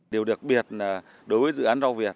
điều đặc biệt là đối với dự án rau việt